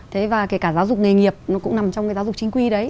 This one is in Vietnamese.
thế và kể cả giáo dục nghề nghiệp nó cũng nằm trong cái giáo dục chính quy đấy